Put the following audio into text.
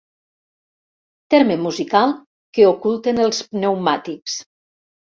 Terme musical que oculten els pneumàtics.